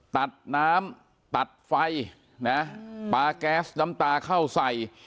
ตัดน้ำตัดไฟนะปลาแก๊สน้ำตาเข้าใส่